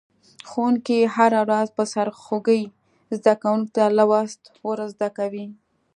ښوونکی هره ورځ په سرخوږي زده کونکو ته لوست ور زده کوي.